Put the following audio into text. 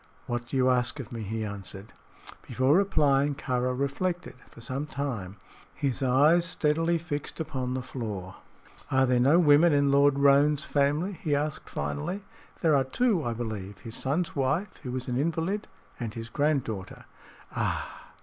"What do you ask of me?" he answered. Before replying, Kāra reflected for some time, his eyes steadily fixed upon the floor. "Are there no women in Lord Roane's family?" he asked, finally. "There are two, I believe his son's wife, who is an invalid, and his granddaughter." "Ah!"